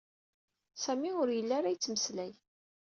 Sami ur yelli ara yettmeslay.